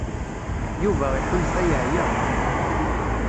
Yuba iḥulfa yeɛya.